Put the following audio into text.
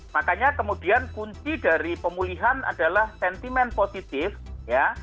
makanya kemudian kunci dari pemulihan adalah sentimen positif ya